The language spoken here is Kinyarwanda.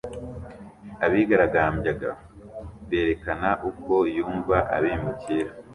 Abigaragambyaga berekana uko yumva abimukira